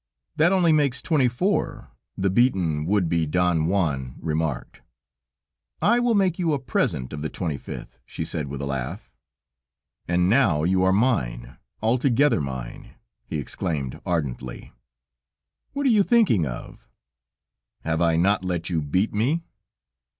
"That only makes twenty four," the beaten would be, Don Juan, remarked. "I will make you a present of the twenty fifth," she said with a laugh. "And now you are mine, altogether mine," he exclaimed ardently. "What are you thinking of?" "Have I not let you beat me?"